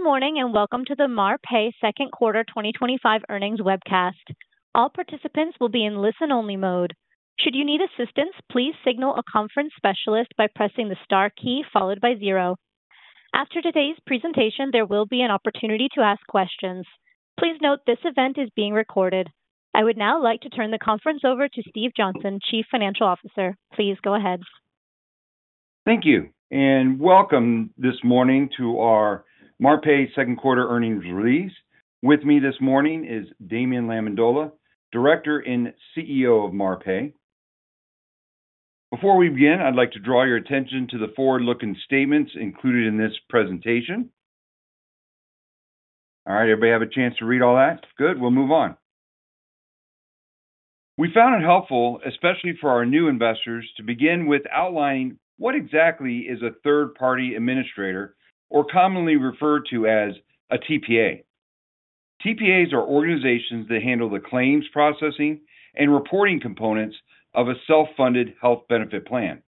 Good morning and welcome to the Marpai Second Quarter 2025 Earnings Webcast. All participants will be in listen-only mode. Should you need assistance, please signal a conference specialist by pressing the star key followed by zero. After today's presentation, there will be an opportunity to ask questions. Please note this event is being recorded. I would now like to turn the conference over to Steve Johnson, Chief Financial Officer. Please go ahead. Thank you and welcome this morning to our Marpai Second Quarter Earnings Release. With me this morning is Damien Lamendola, Director and CEO of Marpai. Before we begin, I'd like to draw your attention to the forward-looking statements included in this presentation. All right, everybody have a chance to read all that? Good. We'll move on. We found it helpful, especially for our new investors, to begin with outlining what exactly is a third-party administrator, or commonly referred to as a TPA. TPAs are organizations that handle the claims processing and reporting components of a self-funded health benefit plan.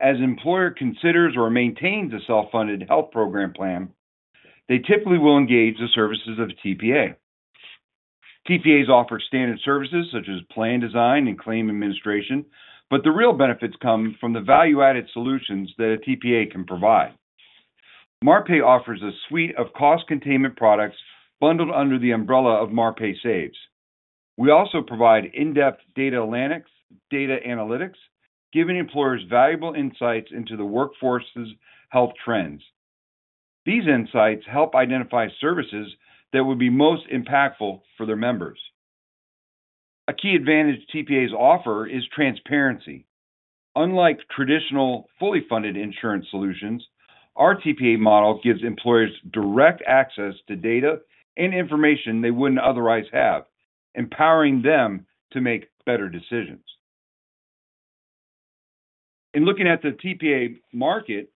As an employer considers or maintains a self-funded health program plan, they typically will engage the services of a TPA. TPAs offer standard services such as plan design and claim administration, but the real benefits come from the value-added solutions that a TPA can provide. Marpai offers a suite of cost-containment products bundled under the umbrella of Marpai Saves. We also provide in-depth data analytics, giving employers valuable insights into the workforce's health trends. These insights help identify services that would be most impactful for their members. A key advantage TPAs offer is transparency. Unlike traditional fully funded insurance solutions, our TPA model gives employers direct access to data and information they wouldn't otherwise have, empowering them to make better decisions. In looking at the TPA market,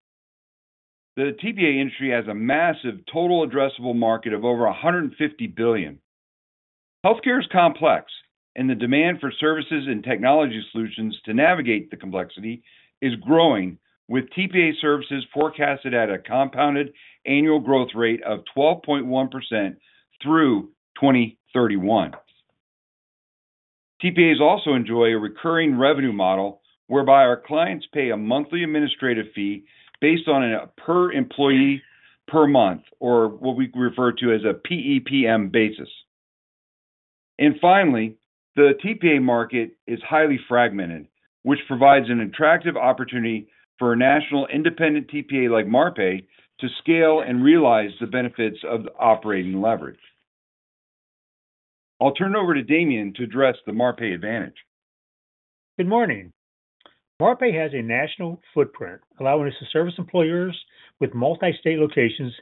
the TPA industry has a massive total addressable market of over $150 billion. Healthcare is complex, and the demand for services and technology solutions to navigate the complexity is growing, with TPA services forecasted at a compounded annual growth rate of 12.1% through 2031. TPAs also enjoy a recurring revenue model whereby our clients pay a monthly administrative fee based on a per employee per month, or what we refer to as a PEPM basis. Finally, the TPA market is highly fragmented, which provides an attractive opportunity for a national independent TPA like Marpai to scale and realize the benefits of operating leverage. I'll turn it over to Damien to address the Marpai advantage. Good morning. Marpai has a national footprint, allowing us to service employers with multi-state locations,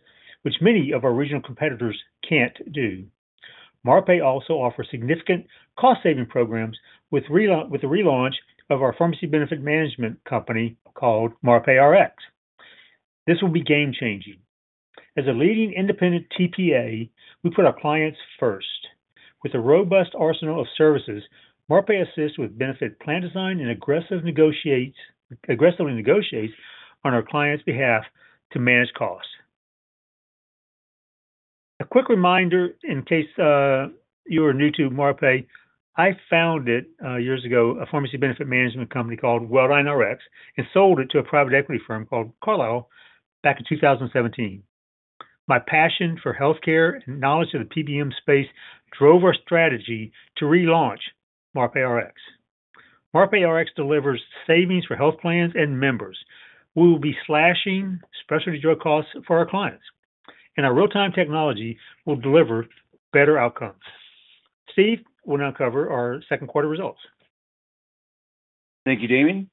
which many of our regional competitors can't do. Marpai also offers significant cost-saving programs with the relaunch of our pharmacy benefit management company called MarpaiRx. This will be game-changing. As a leading independent TPA, we put our clients first. With a robust arsenal of services, Marpai assists with benefit plan design and aggressively negotiates on our clients' behalf to manage costs. A quick reminder in case you are new to Marpai, I founded years ago a pharmacy benefit management company called WellDyneRx and sold it to a private equity firm called Carlyle back in 2017. My passion for healthcare and knowledge of the PBM space drove our strategy to relaunch MarpaiRx. MarpaiRx delivers savings for health plans and members. We will be slashing specialty drug costs for our clients, and our real-time technology will deliver better outcomes. Steve, we'll now cover our second quarter results. Thank you, Damien.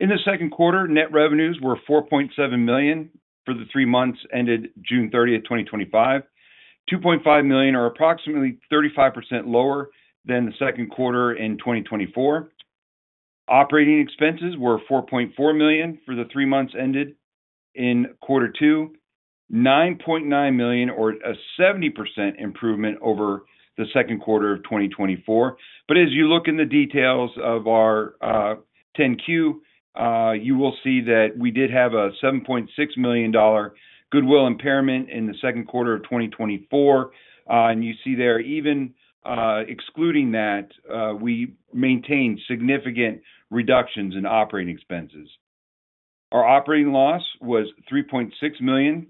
In the second quarter, net revenues were $4.7 million for the three months ended June 30, 2025. $2.5 million are approximately 35% lower than the second quarter in 2024. Operating expenses were $4.4 million for the three months ended in Q2, $9.9 million, or a 70% improvement over the second quarter of 2024. As you look in the details of our 10-Q, you will see that we did have a $7.6 million goodwill impairment in the second quarter of 2024. You see there, even excluding that, we maintained significant reductions in operating expenses. Our operating loss was $3.6 million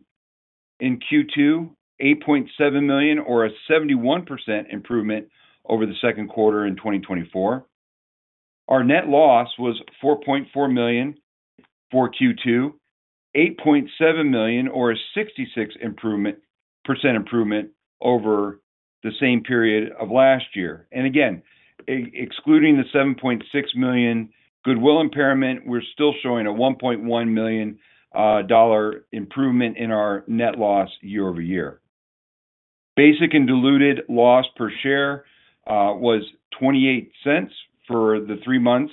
in Q2, $8.7 million, or a 71% improvement over the second quarter in 2024. Our net loss was $4.4 million for Q2, $8.7 million, or a 66% improvement over the same period of last year. Again, excluding the $7.6 million goodwill impairment, we're still showing a $1.1 million improvement in our net loss year over year. Basic and diluted loss per share was $0.28 for the three months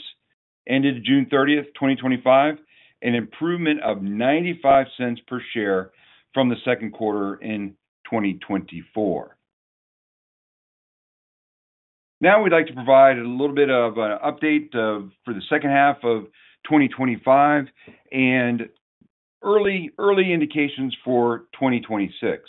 ended June 30th, 2025, an improvement of $0.95 per share from the second quarter in 2024. Now we'd like to provide a little bit of an update for the second half of 2025 and early indications for 2026.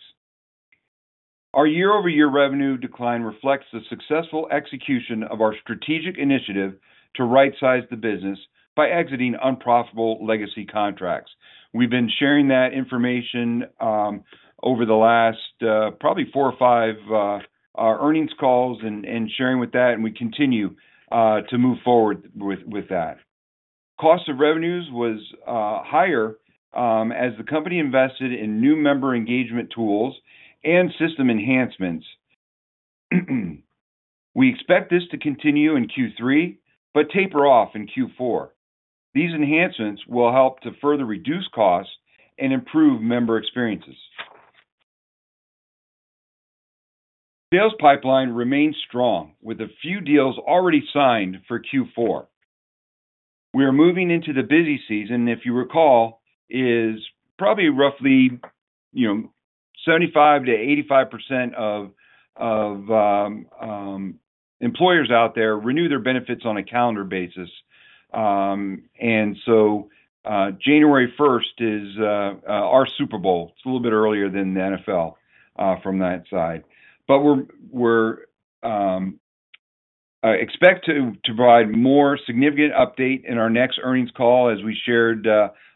Our year-over-year revenue decline reflects the successful execution of our strategic initiative to right-size the business by exiting unprofitable legacy contracts. We've been sharing that information over the last probably four or five earnings calls and sharing with that, and we continue to move forward with that. Cost of revenues was higher as the company invested in new member engagement tools and system enhancements. We expect this to continue in Q3 but taper off in Q4. These enhancements will help to further reduce costs and improve member experiences. Sales pipeline remains strong with a few deals already signed for Q4. We are moving into the busy season. If you recall, it is probably roughly, you know, 75% to 85% of employers out there renew their benefits on a calendar basis. January 1st is our Super Bowl. It's a little bit earlier than the NFL from that side. We expect to provide a more significant update in our next earnings call as we shared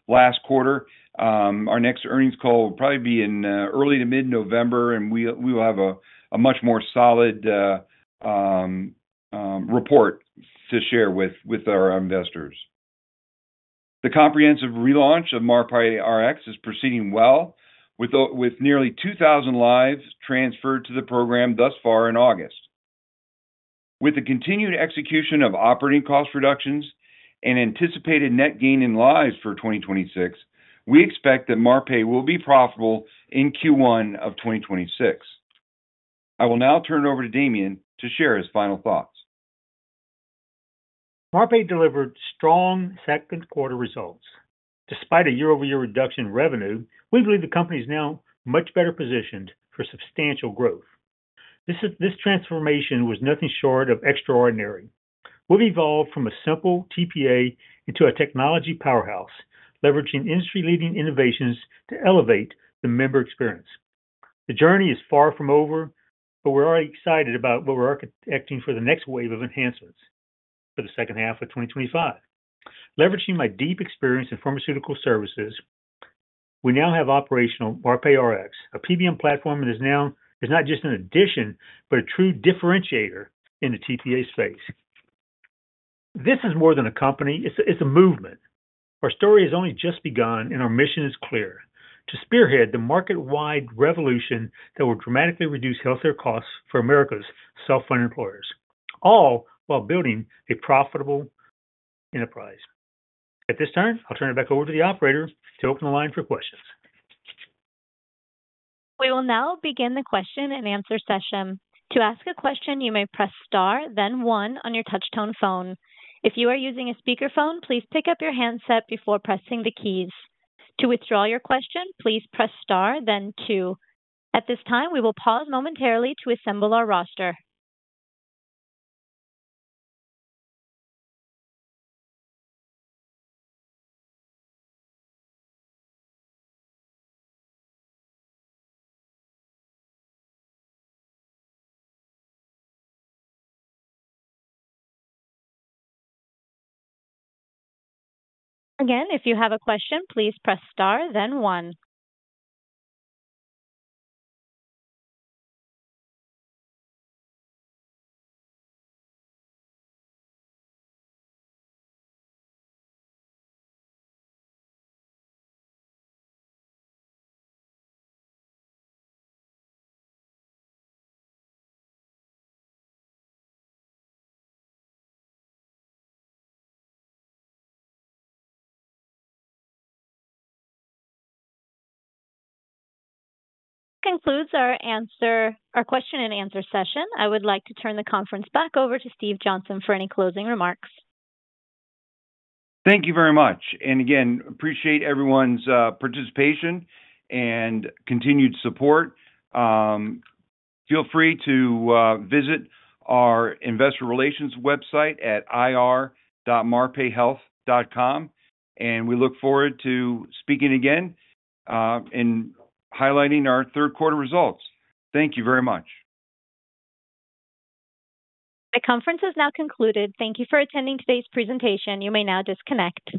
last quarter. Our next earnings call will probably be in early to mid-November, and we will have a much more solid report to share with our investors. The comprehensive relaunch of MarpaiRx is proceeding well with nearly 2,000 lives transferred to the program thus far in August. With the continued execution of operating cost reductions and anticipated net gain in lives for 2026, we expect that Marpai will be profitable in Q1 of 2026. I will now turn it over to Damien to share his final thoughts. Marpai delivered strong second quarter results. Despite a year-over-year reduction in revenue, we believe the company is now much better positioned for substantial growth. This transformation was nothing short of extraordinary. We've evolved from a simple TPA into a technology powerhouse, leveraging industry-leading innovations to elevate the member experience. The journey is far from over, but we're already excited about what we're expecting for the next wave of enhancements for the second half of 2025. Leveraging my deep experience in pharmaceutical services, we now have operational MarpaiRx, a PBM platform that is now not just an addition but a true differentiator in the TPA space. This is more than a company, it's a movement. Our story has only just begun, and our mission is clear: to spearhead the market-wide revolution that will dramatically reduce healthcare costs for America's self-funded employers, all while building a profitable enterprise. At this time, I'll turn it back over to the operator to open the line for questions. We will now begin the question and answer session. To ask a question, you may press star, then one on your touch-tone phone. If you are using a speakerphone, please pick up your handset before pressing the keys. To withdraw your question, please press star, then two. At this time, we will pause momentarily to assemble our roster. Again, if you have a question, please press star, then one. That concludes our question and answer session. I would like to turn the conference back over to Steve Johnson for any closing remarks. Thank you very much. I appreciate everyone's participation and continued support. Feel free to visit our investor relations website at ir.marpaihealth.com. We look forward to speaking again and highlighting our third-quarter results. Thank you very much. The conference has now concluded. Thank you for attending today's presentation. You may now disconnect.